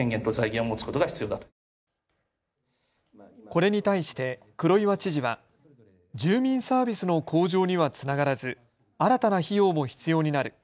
これに対して黒岩知事は住民サービスの向上にはつながらず新たな費用も必要になる。